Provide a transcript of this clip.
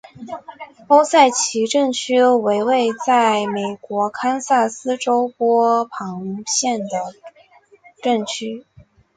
欧塞奇镇区为位在美国堪萨斯州波旁县的镇区。